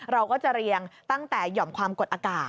เราก็จะเรียงตั้งแต่หย่อมความกดอากาศ